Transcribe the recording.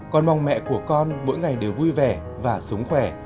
con mong mẹ của con mỗi ngày đều vui